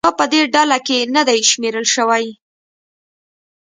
دا په دې ډله کې نه دي شمېرل شوي.